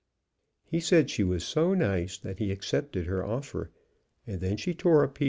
He said she was so nice that he accepted her offer, and then she tore a pie.